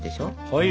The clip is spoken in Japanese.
はい！